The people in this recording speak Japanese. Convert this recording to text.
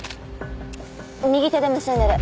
右手で結んでる。